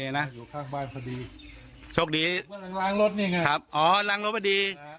อยู่ข้างบ้านพอดีโชคดีกำลังล้างรถนี่ไงครับอ๋อล้างรถพอดี